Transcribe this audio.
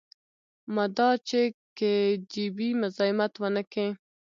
مدا چې کي جي بي مزايمت ونکي.